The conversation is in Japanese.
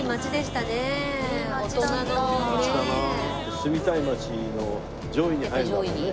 住みたい街の上位に入るだろうね。